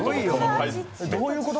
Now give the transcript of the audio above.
どういうこと？